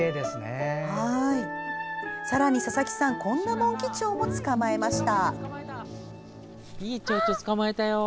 さらに佐々木さん、こんなモンキチョウも捕まえました。